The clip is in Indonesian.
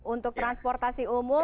untuk transportasi umum